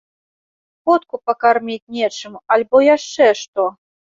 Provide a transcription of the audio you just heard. Котку пакарміць нечым, альбо яшчэ што.